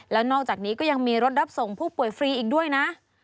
แล้วนอกจากนี้ก็ยังมีรถรับส่งผู้ป่วยฟรีอีกด้วยนะ